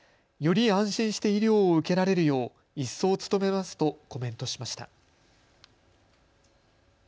より安心して医療を受けられるよう一層努めますとコメントしました。